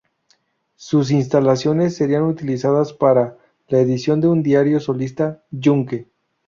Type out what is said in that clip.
Sus instalaciones serían utilizadas para la edición de un diario socialista, "Yunque".